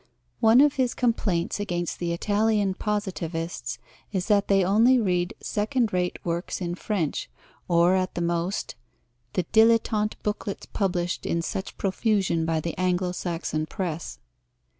One of his complaints against the Italian Positivists is that they only read second rate works in French or at the most "the dilettante booklets published in such profusion by the Anglo Saxon press."